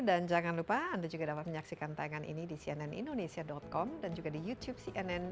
dan jangan lupa anda juga dapat menyaksikan tayangan ini di cnnindonesia com dan juga di youtube cnn